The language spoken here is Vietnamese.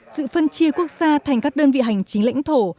sự phân chia quốc gia thành các đơn vị hành chính lãnh thổ